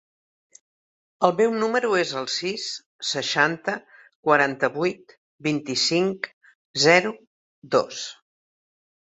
El meu número es el sis, seixanta, quaranta-vuit, vint-i-cinc, zero, dos.